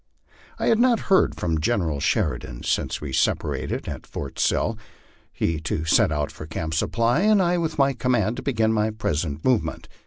I had not heard from General Sheridan since we separated at Fort Sill; he to set out for Camp Supply, and I with my command to begin my present movement.